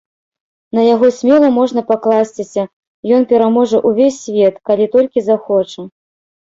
На яго смела можна пакласціся, ён пераможа ўвесь свет, калі толькі захоча.